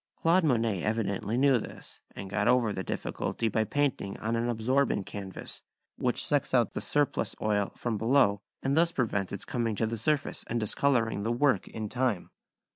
Claude Monet evidently knew this, and got over the difficulty by painting on an absorbent canvas, which sucks the surplus oil out from below and thus prevents its coming to the surface and discolouring the work in time.